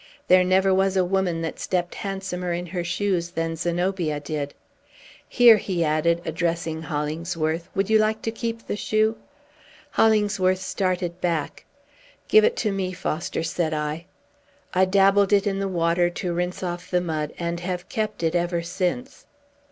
There never was a woman that stept handsomer in her shoes than Zenobia did. Here," he added, addressing Hollingsworth, "would you like to keep the shoe?" Hollingsworth started back. "Give it to me, Foster," said I. I dabbled it in the water, to rinse off the mud, and have kept it ever since.